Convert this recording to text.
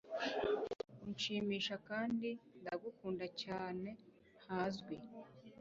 unshimisha kandi ndagukunda cyane Ntazwi